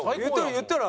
言ったら？